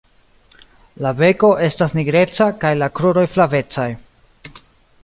La beko estas nigreca kaj la kruroj flavecaj.